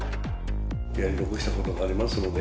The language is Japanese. やり残したことがありますので、